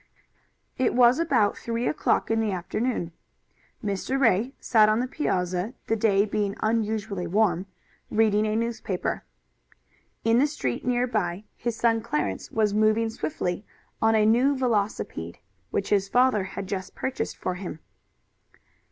It was about three o'clock in the afternoon. Mr. Ray sat on the piazza, the day being unusually warm, reading a newspaper. In the street near by, his son Clarence was moving swiftly on a new velocipede which his father had just purchased for him.